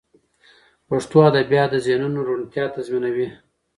پښتو ادبیات د ذهنونو روڼتیا تضمینوي.